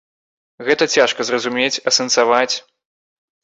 Гэта цяжка зразумець, асэнсаваць.